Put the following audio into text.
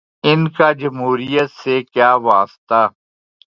ان کا جمہوریت سے کیا واسطہ۔